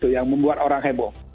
yang membuat orang heboh